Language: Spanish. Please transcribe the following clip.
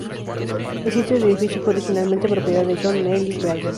El sitio del edificio fue originalmente propiedad de John Neely Bryan.